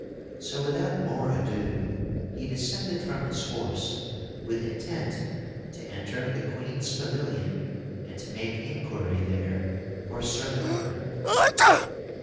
So, without more ado, he descended from his horse with intent to enter the Queen's pavilion and to make inquiry there for Sir Lamorack.